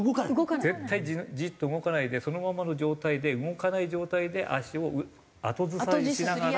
絶対じっと動かないでそのままの状態で動かない状態で足を後ずさりしながらそのまま。